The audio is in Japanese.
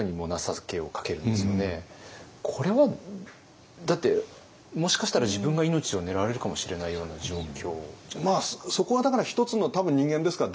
これはだってもしかしたら自分が命を狙われるかもしれないような状況。